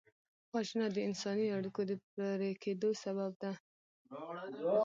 وژنه د انساني اړیکو د پرې کېدو سبب ده